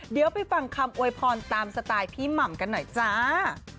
เดี๋ยวไปฟังคำอวยพรตามสไตล์พี่หม่ำกันหน่อยจ้า